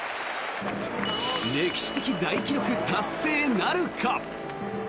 歴史的大記録、達成なるか。